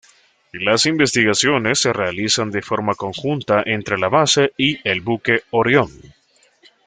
Las investigaciones se realizan de forma conjunta entre la base y el buque "Orión".